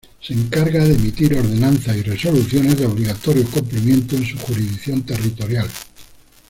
Se encarga de emitir ordenanzas y resoluciones de obligatorio cumplimiento en su jurisdicción territorial.